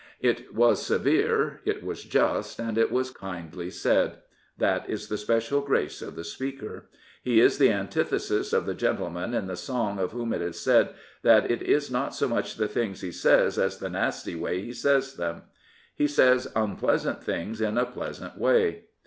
^' It was severe, it was just, and it was kindly said. That is the special grace of the Speaker. He is the antithesis of the gentleman in the song of whom it is said that "it is not so much the things he says as the nasty way he says them." He says unpleasant things in a pleasant way.